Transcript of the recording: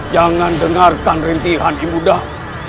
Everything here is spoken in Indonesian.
jangan dengarkan rintihan ibu dah